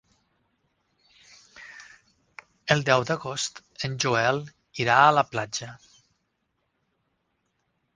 El deu d'agost en Joel irà a la platja.